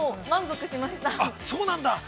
◆そうなんだ。